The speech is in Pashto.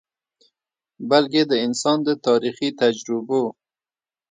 بلکه د انسان د تاریخي تجربو ،